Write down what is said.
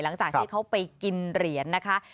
หลังจากที่เขาไปกินเหรียญนะคะ